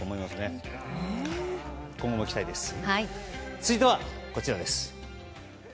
続いては、こちらです。